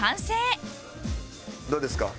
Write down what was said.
どうですか？